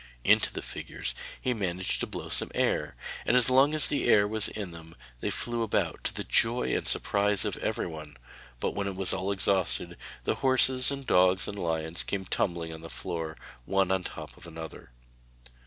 Into the figures he managed to blow some air, and as long as the air was in them they flew about to the joy and surprise of everyone, but when it was all exhausted the horses and dogs and lions came tumbling on the floor, one on top of another.